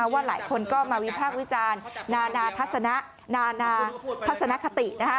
ว่าหลายคนก็มาวิพากษ์วิจารณ์นานาทัศนะนานาทัศนคติ